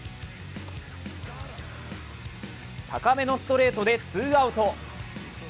高めのストレートでツーアウト。